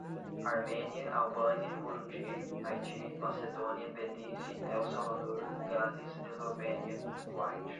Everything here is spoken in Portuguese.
Armênia, Albânia, Burundi, Haiti, Macedônia, Belize, El Salvador, Gales, Eslovênia, Kuwait